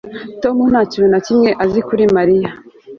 Tom nta kintu na kimwe azi kuri Mariya